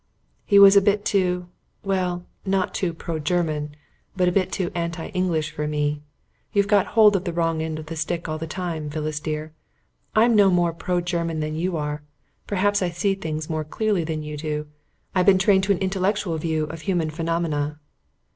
"He was a bit too well, not too pro German but too anti English for me. You have got hold of the wrong end of the stick all the time, Phyllis dear. I'm no more pro German than you are. Perhaps I see things more clearly than you do. I've been trained to an intellectual view of human phenomena."